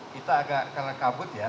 kita agak karena kabut ya